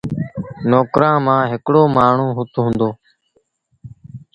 نوڪرآݩٚ مآݩٚ هڪڙو مآڻهوٚٚ اُت هُݩدو